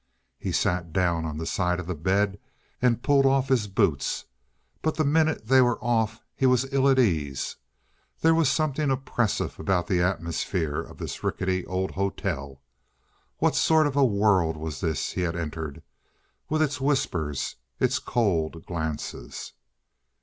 He sat down on the side of the bed and pulled off his boots, but the minute they were off he was ill at ease. There was something oppressive about the atmosphere of this rickety old hotel. What sort of a world was this he had entered, with its whispers, its cold glances?